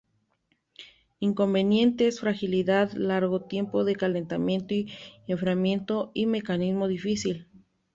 Inconvenientes:Fragilidad, largo tiempo de calentamiento y enfriamiento y mecanizado difícil.